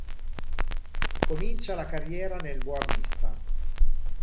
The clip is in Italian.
Comincia la carriera nel Boavista.